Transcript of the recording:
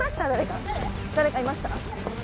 誰かいました？